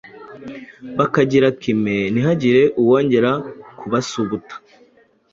bakagira kime ntihagire uwongera kubasubuta.